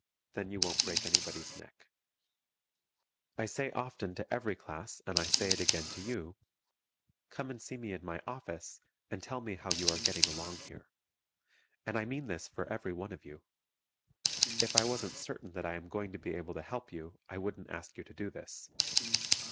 Then you won't break anybody's neck. [Illustration: THE THREE REILLY'S ALICE, GRACIE AND JOHNNY] I say often to every class, and I say it again to you come and see me in my office and tell me how you are getting along here. And I mean this for every one of you. If I wasn't certain that I am going to be able to help you I wouldn't ask you to do this.